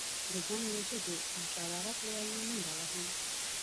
د جنګ له ژبې او شرارت له وینا منډه وهم.